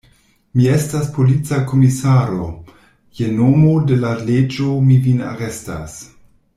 Mi estas polica komisaro: je nomo de la leĝo mi vin arestas.